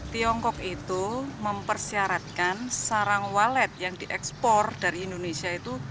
tiongkok itu mempersyaratkan sarang walet yang diekspor dari indonesia itu